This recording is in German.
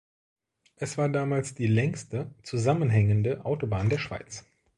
Es war damals die längste zusammenhängende Autobahn der Schweiz.